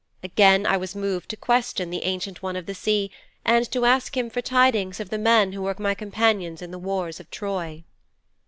Again I was moved to question the Ancient One of the Sea, and to ask him for tidings of the men who were my companions in the wars of Troy.